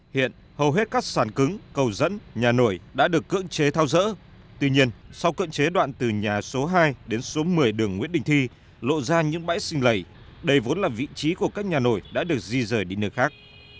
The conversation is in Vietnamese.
hiện hầu hết các sàn cứng cầu dẫn nhà nổi đã được cưỡng chế thao dỡ tuy nhiên sau cận chế đoạn từ nhà số hai đến số một mươi đường nguyễn đình thi lộ ra những bãi xình lầy đây vốn là vị trí của các nhà nổi đã được di rời đi nơi khác